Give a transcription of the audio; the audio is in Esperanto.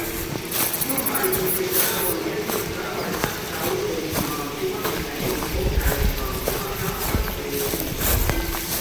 Kurbaj integraloj estas gravaj ankaŭ en kvantuma mekaniko kaj kvantuma kampa teorio.